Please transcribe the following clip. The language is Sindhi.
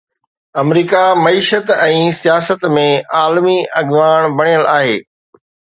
آمريڪا معيشت ۽ سياست ۾ عالمي اڳواڻ بڻيل آهي.